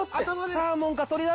サーモンだ！